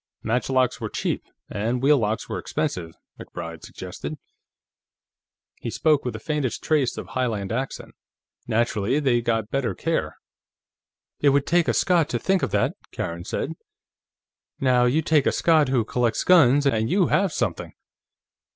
"Matchlocks were cheap, and wheel locks were expensive," MacBride suggested. He spoke with the faintest trace of Highland accent. "Naturally, they got better care." "It would take a Scot to think of that," Karen said. "Now, you take a Scot who collects guns, and you have something!"